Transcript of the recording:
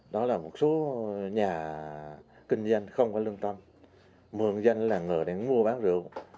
đó là một số nhà kinh doanh không có lương tâm mượn danh làng ngược để mua bán rượu